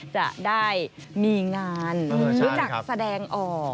จะได้มีงานรู้จักแสดงออก